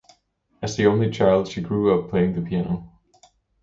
As the only child, she grew up playing the piano.